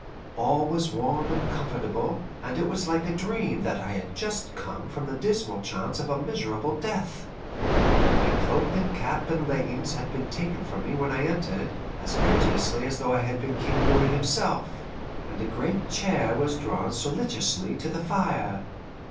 All was warm and comfortable, and it was like a dream that I had just come from the dismal chance of a miserable death. My cloak and cap and leggings had been taken from me when I entered, as courteously as though I had been King Louis himself, and a great chair was drawn solicitously to the fire.